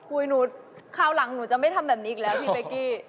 หนูคราวหลังหนูจะไม่ทำแบบนี้อีกแล้วพี่เป๊กกี้